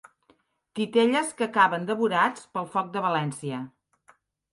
Titelles que acaben devorats pel foc a València.